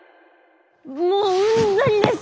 もううんざりです